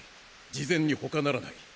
次善に他ならない！